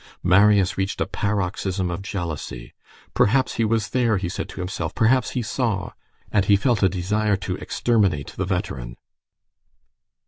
Marius reached a paroxysm of jealousy.—"Perhaps he was there!" he said to himself; "perhaps he saw!"—And he felt a desire to exterminate the veteran.